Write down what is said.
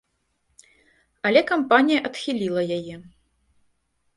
Але кампанія адхіліла яе.